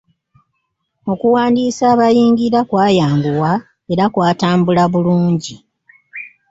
Okuwandiisa abayingira kwayanguwa era kwatambula bulungi.